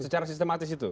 secara sistematis itu